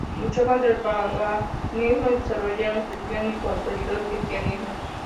Luchó contra el paganismo y desarrolló la instrucción y consolidó el cristianismo.